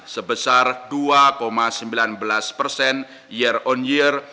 sebesar dua sembilan belas persen year on year